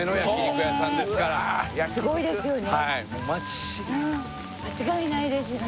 ねえすごいですよね